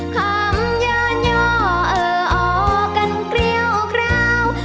คำย้อนย่อเออออกกันเกรี้ยวคราว